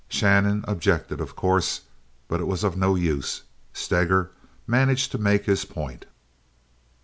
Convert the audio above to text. Shannon objected, of course, but it was of no use. Steger managed to make his point.